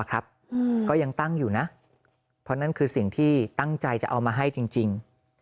ก็ยังตั้งอยู่นะเพราะนั่นคือสิ่งที่ตั้งใจจะเอามาให้จริง